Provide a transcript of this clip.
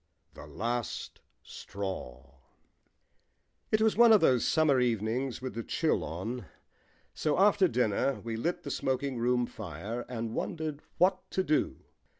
THE LAST STRAW It was one of those summer evenings with the chill on, so after dinner we lit the smoking room fire and wondered what to do.